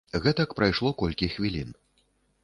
Гэтак прайшло колькі хвілін.